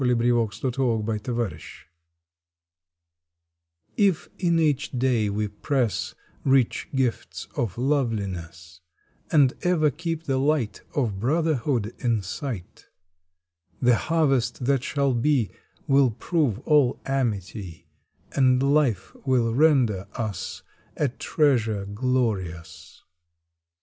April Twenty fourth THE HARVEST TF in each day we press Rich gifts of loveliness, And ever keep the light Of Brotherhood in sight, The harvest that shall be Will prove all amity, And life will render us A treasure glorious.